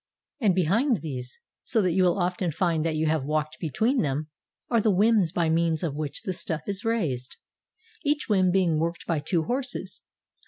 And behind these, so that you will often find that you have walked between them, are the whims by means of which the stuff is raised, each whim being worked by two horses.